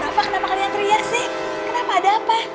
apa kenapa kalian teriak sih kenapa ada apa